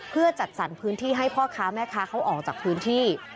เพื่อจัดสรรพื้นที่ให้พ่อค้าแม่ค้าเขาออกจากพื้นที่